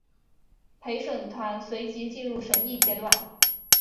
陪审团随即进入审议阶段。